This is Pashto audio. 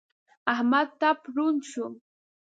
احمد ټپ ړوند شو.